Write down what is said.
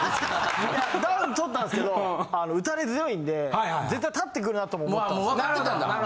ダウンとったんですけど打たれ強いんで絶対立ってくるなとも思ったんですよ。